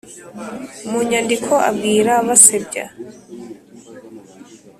Munyankiko abwira Basebya